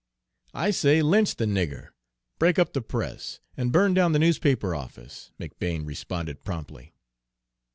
"I say lynch the nigger, break up the press, and burn down the newspaper office," McBane responded promptly.